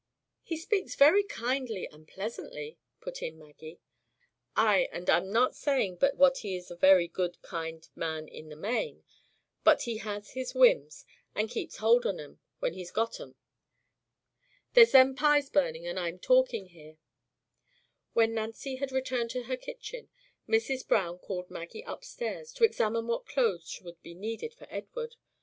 "He speaks very kindly and pleasantly," put in Maggie. "Ay; and I'm not saying but what he is a very good, kind man in the main. But he has his whims, and keeps hold on 'em when he's got 'em. There's them pies burning, and I'm talking here!" When Nancy had returned to her kitchen, Mrs. Browne called Maggie up stairs, to examine what clothes would be needed for Edward.